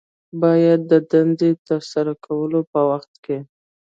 باید د دندې د ترسره کولو په وخت کې